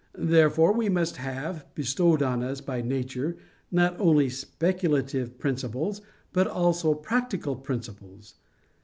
Therefore we must have, bestowed on us by nature, not only speculative principles, but also practical principles.